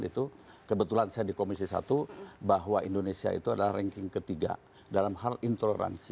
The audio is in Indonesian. itu kebetulan saya di komisi satu bahwa indonesia itu adalah ranking ketiga dalam hal intoleransi